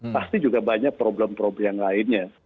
pasti juga banyak problem problem lainnya